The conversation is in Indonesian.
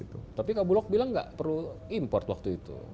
tapi kabulok bilang nggak perlu import waktu itu